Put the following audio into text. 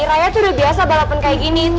raya tuh udah biasa balapan kayak gini